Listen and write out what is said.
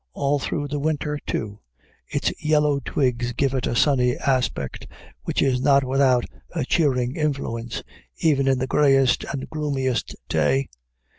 All through the winter, too, its yellow twigs give it a sunny aspect which is not without a cheering influence even in the grayest and gloomiest day.